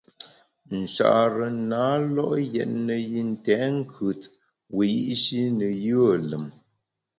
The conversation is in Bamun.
Nchare na lo’ yètne yi ntèt nkùt wiyi’shi ne yùe lùm.